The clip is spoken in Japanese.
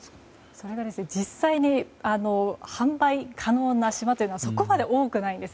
それが実際に販売可能な島というのはそこまで多くないんです。